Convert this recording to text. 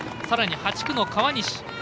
さらに８区の川西。